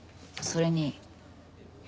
それに？